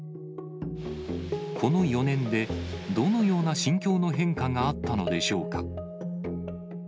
この４年でどのような心境の変化があったのでしょうか。